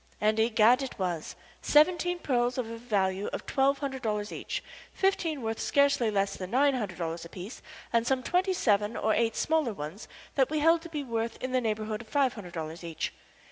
And, egad, it was: seventeen pearls of a value of twelve hundred dollars each, fifteen worth scarcely less than nine hundred dollars apiece, and some twenty seven or eight smaller ones that we held to be worth in the neighborhood of five hundred dollars each.